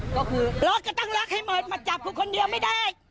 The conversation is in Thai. ก็คือล็อกจะตั้งล็อกให้หมดมาจับกูคนเดียวไม่ได้